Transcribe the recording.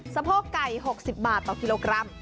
สะโพกไก่๖๐บาทต่อกิโลกรัม